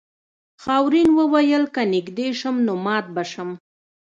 خاورین وویل که نږدې شم نو مات به شم.